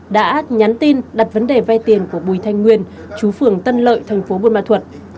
đã nhắn tin đặt vấn đề vay tiền của bùi thanh nguyên chú phường tân lợi thành phố buôn ma thuật